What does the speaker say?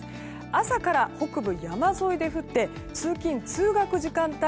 朝から北部、山沿いで降って通勤・通学時間帯